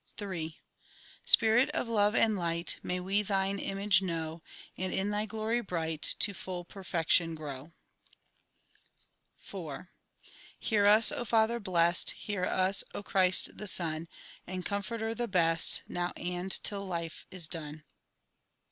III Spirit of love and light, May we Thine image know, And in Thy glory bright, To full perfection grow. IV Hear us, O Father blest, Hear us, O Christ the Son, And Comforter the best, Now, and till life is done.